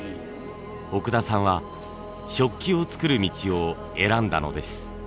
奥田さんは食器を作る道を選んだのです。